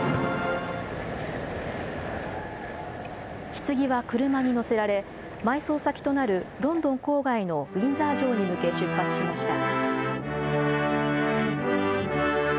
ひつぎは車に乗せられ、埋葬先となるロンドン郊外のウィンザー城に向け、出発しました。